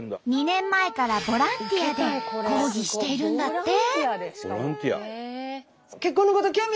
２年前からボランティアで講義しているんだって。